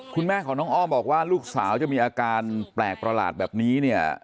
คุณแม่ของน้องอ้อมบอกว่าลูกสาวจะมีอาการแปลกประหลาดแบบนี้เนี่ย